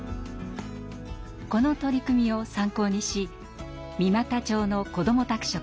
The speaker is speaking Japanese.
この取り組みを参考にし三股町のこども宅食